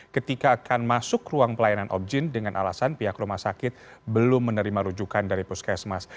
ketika akan masuk ruang pelayanan objin dengan alasan pihak rumah sakit belum menerima rujukan dari puskesmas